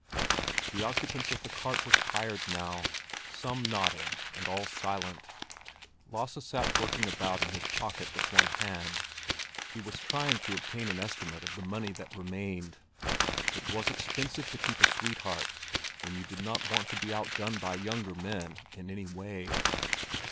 The occupants of the cart were tired now, some nodding and all silent. Lasse sat working about in his pocket with one hand. He was trying to obtain an estimate of the money that remained. It was expensive to keep a sweetheart when you did not want to be outdone by younger men in any way.